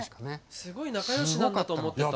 すごい仲よしなんだと思ってた。